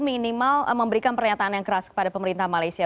minimal memberikan pernyataan yang keras kepada pemerintah malaysia